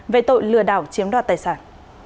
về tội lừa đảo chiếm đoạt tài sản